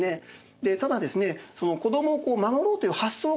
でただですね子どもを守ろうという発想がですね